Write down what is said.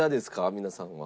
皆さんは。